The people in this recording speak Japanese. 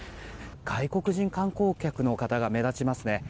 外国人観光客の方が目立ちますね。